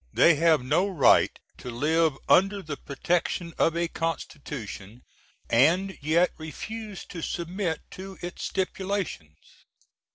They have no right to live under the protec^n. of a Const^n. & yet refuse to submit to its stipulations.